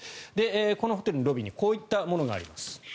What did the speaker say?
このホテルのロビーにこういったものがあります。